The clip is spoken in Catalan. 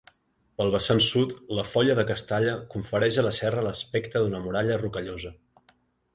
Pel vessant sud la Foia de Castalla confereix a la serra l'aspecte d'una muralla rocallosa.